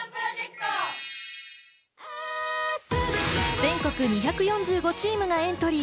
全国２４５チームがエントリー。